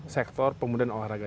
sektor pemudahan dan olahraga